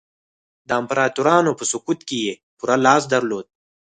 د امپراتورانو په سقوط کې یې پوره لاس درلود.